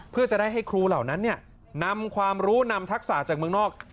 เพื่อจะได้ให้ครูเหล่านั้นนำความรู้นำทักษะจากเมืองนอก